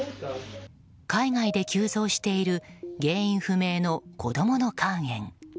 海外で急増している原因不明の子供の肝炎。